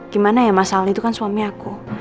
gimana ya mas ali itu kan suami aku